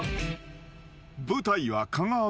［舞台は］